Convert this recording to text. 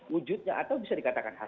wujudnya atau bisa dikatakan